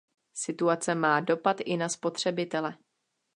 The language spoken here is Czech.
Situace má dopad i na spotřebitele.